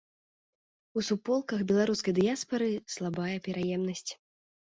У суполках беларускай дыяспары слабая пераемнасць.